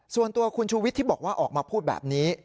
ส่วนตัวคุณชูวิทย์ที่บอกว่าออกมาพูดแบบนี้